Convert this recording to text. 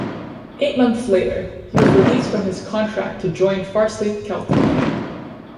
Eight months later, he was released from his contract to join Farsley Celtic.